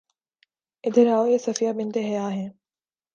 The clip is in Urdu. ادھر آؤ، یہ صفیہ بنت حیی ہیں